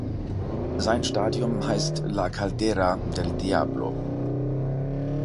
Sein Stadium heisst "La Caldera del Diablo.